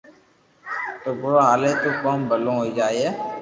تو ڀيرو ھالي تو ڪوم ڀلو ھوئيي جائي